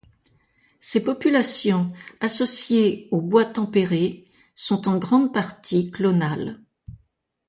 Ses populations, associés aux bois tempérés sont en grande partie clonales.